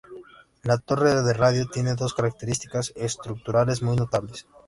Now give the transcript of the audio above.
La torre de radio tiene dos características estructurales muy notables.